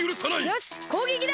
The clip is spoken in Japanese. よしこうげきだ！